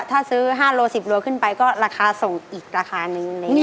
ถ้าซื้อ๕โล๑๐โลขึ้นไปก็ราคาส่งอีกราคานึง